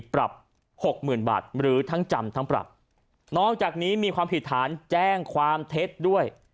ปรับหกหมื่นบาทหรือทั้งจำทั้งปรับนอกจากนี้มีความผิดฐานแจ้งความเท็จด้วย